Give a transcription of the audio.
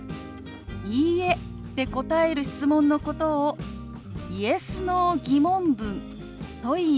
「いいえ」で答える質問のことを「Ｙｅｓ／Ｎｏ−疑問文」といいます。